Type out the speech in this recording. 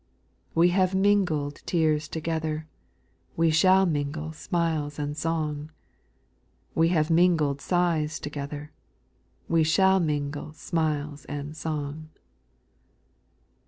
10. We have mingled tears together. We shall mingle smiles and song : We have mingled sighs together, We shall mingle smiles and song.